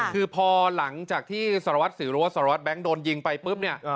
คือพอหลังจากที่สารวัติสิวรู้ว่าสารวัติแบ็งก์โดนยิงไปปุ๊บ